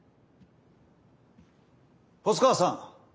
細川さん